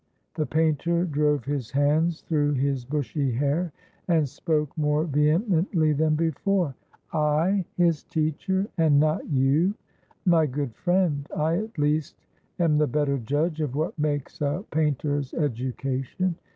The painter drove his hands through his bushy hair, and spoke more vehemently than before. "I his teacher, and not you? My good friend, I at least am the better judge of what makes a painter's education.